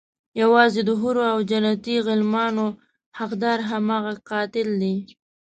يوازې د حورو او جنتي غلمانو حقدار هماغه قاتل دی.